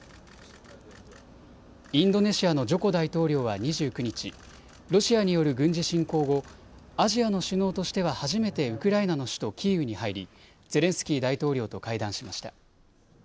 インドネシアのジョコ大統領は２９日、ロシアによる軍事侵攻後、アジアの首脳としては初めてウクライナの首都キーウに入りゼレンスキー大統領と会談しました。